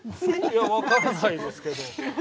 いや分からないですけど。